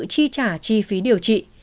chi trả chi phí điều trị